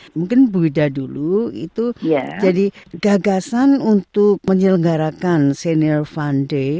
mungkin ibu wida dulu jadi gagasan untuk menyelenggarakan senior fund day